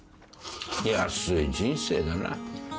安い人生だな。